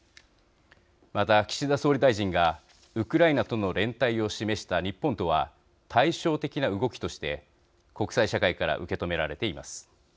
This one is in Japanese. また、岸田総理大臣がウクライナとの連帯を示した日本とは対照的な動きとして国際社会から受け止められています。